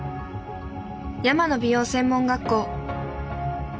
山野美容専門学校。